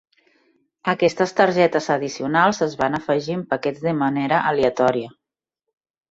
Aquestes targetes addicionals es van afegir en paquets de manera aleatòria.